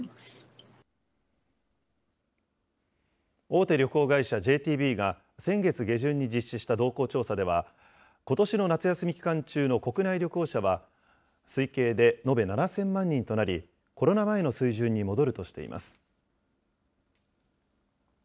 大手旅行会社、ＪＴＢが先月下旬に実施した動向調査では、ことしの夏休み期間中の国内旅行者は、推計で延べ７０００万人となり、コロナ前の水準に戻るとしています。